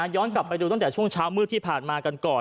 กลับไปดูตั้งแต่ช่วงเช้ามืดที่ผ่านมากันก่อน